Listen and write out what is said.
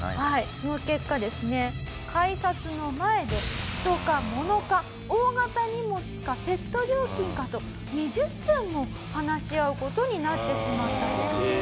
その結果ですね改札の前で人か物か大型荷物かペット料金かと２０分も話し合う事になってしまったという事なんですね。